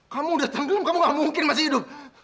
kamu datang dulu kamu gak mungkin masih hidup